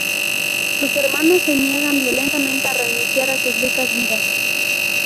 Sus hermanos se niegan violentamente a renunciar a sus ricas vidas.